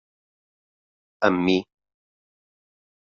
Amb mi.